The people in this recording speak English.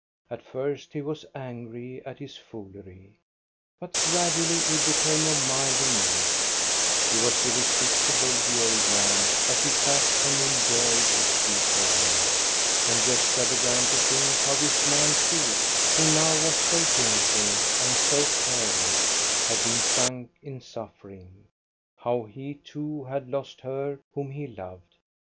At first he was angry at this foolery, but gradually he became of milder mood He was irresistible, the old man, as he sat and enjoyed his Beethoven. And Gosta began to think how this man too, who now was so gentle and so careless, had been sunk in suffering, how he too had lost her whom he loved.